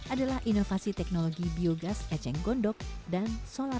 adalah inovasi teknologi biogas eceng gondok dan solar